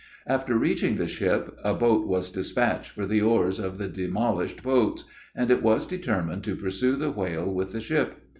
After reaching the ship a boat was dispatched for the oars of the demolished boats, and it was determined to pursue the whale with the ship.